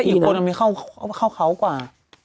แต่อีกคนนั้นเขาเข้าเขากว่า